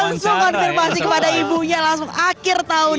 langsung konfirmasi kepada ibunya langsung akhir tahun